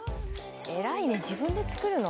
偉いね自分で作るの？